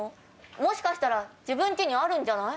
もしかしたら自分家にあるんじゃない？